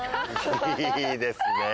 いいですね。